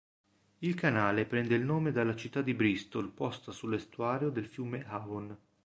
Il canale prende il nome dalla città di Bristol posta sull'estuario del fiume Avon.